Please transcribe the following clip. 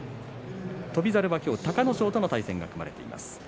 翔猿は今日は隆の勝との対戦が組まれています。